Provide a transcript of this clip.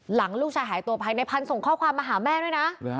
หลังลูกชายหายตัวไปในพันธุ์ส่งข้อความมาหาแม่ด้วยนะ